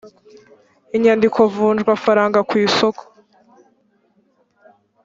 inyandiko mvunjwafaranga ku isoko